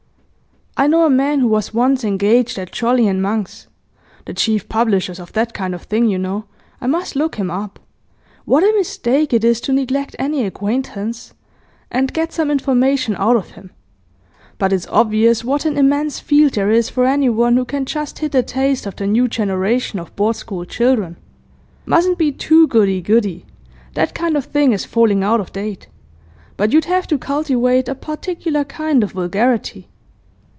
I know a man who was once engaged at Jolly & Monk's the chief publishers of that kind of thing, you know; I must look him up what a mistake it is to neglect any acquaintance! and get some information out of him. But it's obvious what an immense field there is for anyone who can just hit the taste of the new generation of Board school children. Mustn't be too goody goody; that kind of thing is falling out of date. But you'd have to cultivate a particular kind of vulgarity.